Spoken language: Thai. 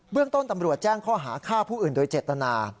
เรื่องต้นตำรวจแจ้งข้อหาฆ่าผู้อื่นโดยเจตนา